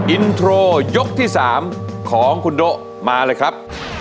อินโทรยกที่๓ของคุณโด๊ะมาเลยครับ